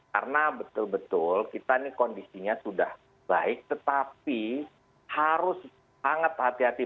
karena betul betul kita kondisinya sudah baik tetapi harus sangat hati hati